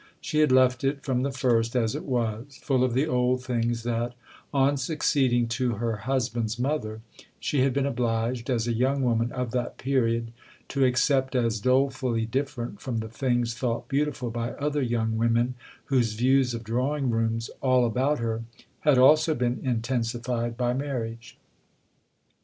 She had left it, from the first, as it was full of the old things that, on succeeding to her husband's mother, she had been obliged, as a young woman of that period, to accept as dolefully different from the things thought beautiful by other young women whose views of drawing rooms, all about her, had also been intensified by marriage.